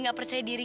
nggak percaya diri